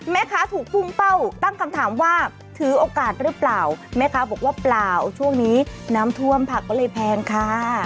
แม่ค้าถูกพุ่งเป้าตั้งคำถามว่าถือโอกาสหรือเปล่าแม่ค้าบอกว่าเปล่าช่วงนี้น้ำท่วมผักก็เลยแพงค่ะ